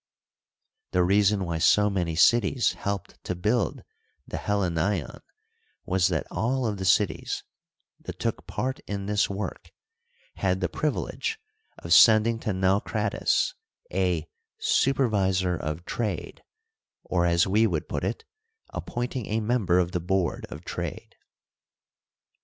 The reason why so many cities helped to build the Helleneion was, that ail of the cities that took part in this work had the privilege of sending to Naucratis a " supervisor of trade," or, as we would put it, appointing a member of the board of trade.